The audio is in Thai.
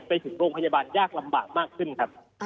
ไปถึงโรงพยาบาลยากลำบากมากขึ้นครับ